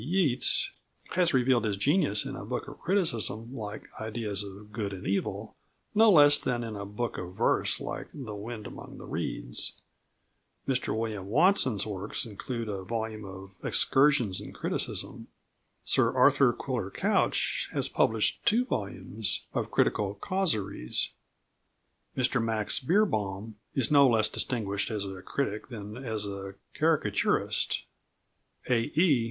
B. Yeats has revealed his genius in a book of criticism like Ideas of Good and Evil no less than in a book of verse like The Wind among the Reeds; Mr William Watson's works include a volume of Excursions in Criticism; Sir Arthur Quiller Couch has published two volumes of critical causeries; Mr Max Beerbohm is no less distinguished as a critic than as a caricaturist; "A. E."